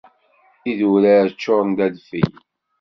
Idurar ččuren d adfel.